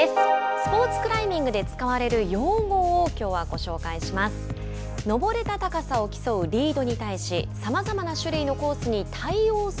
スポーツクライミングで使われる用語をきょうはご紹介します。